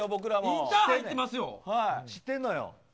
知ってんのよ。